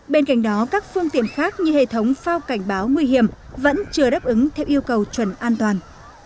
bên cạnh đó các phương tiện khác như hệ thống phao cảnh báo nguy hiểm vẫn chưa đáp ứng theo yêu cầu chuẩn an toàn